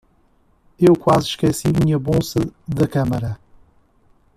Eu quase esqueci minha bolsa da câmera.